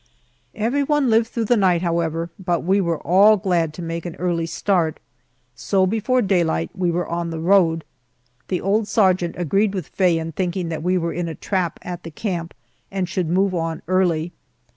Everyone lived through the night, however, but we were all glad to make an early start, so before daylight we were on the road. The old sergeant agreed with Faye in thinking that we were in a trap at the camp, and should move on early.